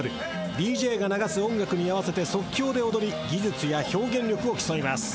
ＤＪが流す音楽に合わせて即興で踊り技術や表現力を競います。